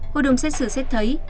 hội đồng xét xử xét thấy